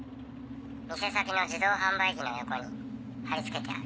店先の自動販売機の横に貼り付けてある。